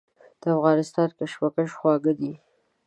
د افغانستان کشمش خواږه دي.